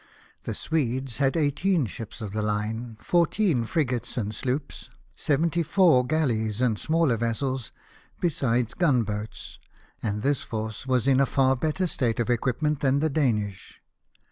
The Swedes had eighteen ships of the hne, fourteen frigates and sloops, seventy four galleys and smaller vessels, besides gun boats, and this force was in a far better state of equipment than the Danish.